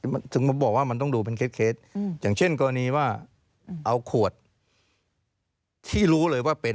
ถึงผมบอกว่ามันต้องดูเป็นเคล็ดอย่างเช่นกรณีว่าเอาขวดที่รู้เลยว่าเป็น